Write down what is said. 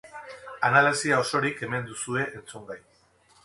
Analisia osorik hemen duzue entzungai.